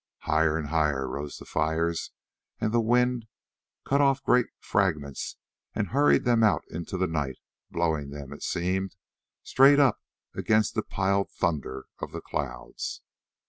Higher and higher rose the fires, and the wind cut off great fragments and hurried them off into the night, blowing them, it seemed, straight up against the piled thunder of the clouds.